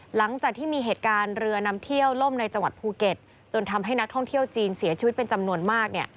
หลังจากที่มีเหตุการณ์เรือนำเที่ยวล่มในจังหวัดภูเก็ตจนทำให้นักท่องเที่ยวจีนเสียชีวิตเป็นจำนวนมากเนี่ย